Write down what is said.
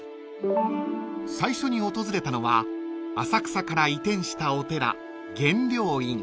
［最初に訪れたのは浅草から移転したお寺］